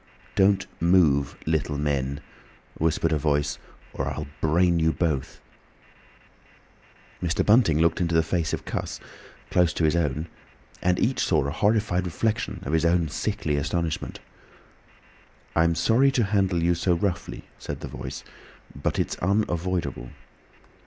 "Don't move, little men," whispered a voice, "or I'll brain you both!" He looked into the face of Cuss, close to his own, and each saw a horrified reflection of his own sickly astonishment. "I'm sorry to handle you so roughly," said the Voice, "but it's unavoidable."